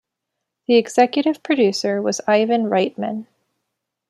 The executive producer was Ivan Reitman.